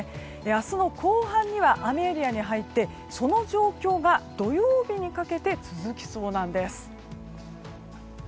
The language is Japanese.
明日の後半には雨エリアに入ってその状況が土曜日にかけて続きそうなんです。